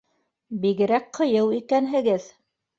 — Бигерәк ҡыйыу икәнһегеҙ.